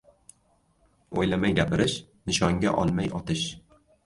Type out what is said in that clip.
• O‘ylamay gapirish — nishonga olmay otish.